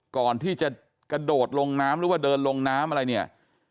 ก่อนที่จะกระโดดลงน้ำหรือว่าเดินลงน้ำอะไรเนี่ย